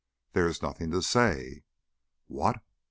"There is nothing to say." "What?